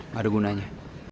gak ada gunanya